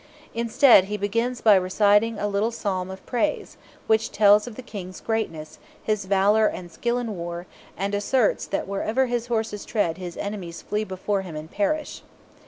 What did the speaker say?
Instead, he begins by reciting a little psalm of praise, which tells of the King's greatness, his valour and skill in war, and asserts that wherever his horses tread his enemies flee before him and perish.